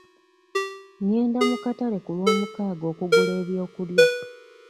Ngenda mu katale ku lwomukaaga okugula ebyokulya.